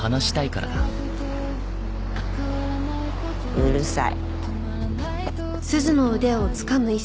うるさい。